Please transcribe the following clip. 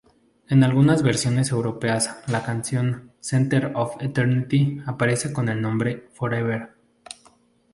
En algunas versiones europeas la canción "Center of Eternity" aparece con el nombre "Forever".